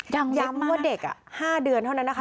ย้ำว่าเด็ก๕เดือนเท่านั้นนะคะ